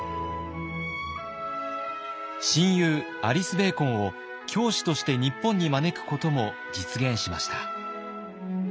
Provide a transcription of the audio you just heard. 親友アリス・ベーコンを教師として日本に招くことも実現しました。